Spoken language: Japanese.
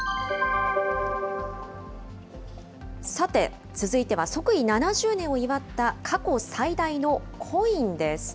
さて、続いては、即位７０年を祝った、過去最大のコインです。